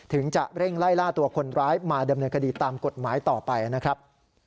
จะเร่งไล่ล่าตัวคนร้ายมาดำเนินคดีตามกฎหมายต่อไปนะครับ